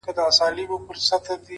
هوډ د ستونزو سیوري لنډوي.!